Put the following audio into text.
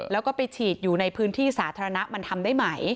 แล้วก็ไปฉีดอยู่ในพื้นที่สาธารณะมันทำได้ไหม